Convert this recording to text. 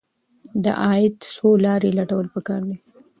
د عاید څو لارې لټول پکار دي.